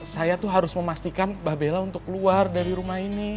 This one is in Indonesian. saya tuh harus memastikan mbah bella untuk keluar dari rumah ini